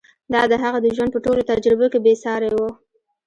دا د هغه د ژوند په ټولو تجربو کې بې سارې وه.